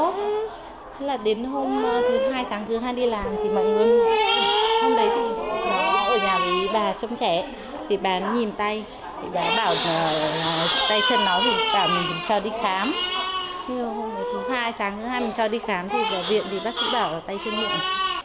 thì bà viện bác sĩ bảo tay chân miệng